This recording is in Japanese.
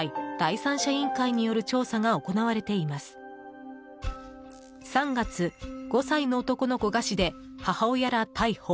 ３月、５歳の男の子餓死で母親ら逮捕。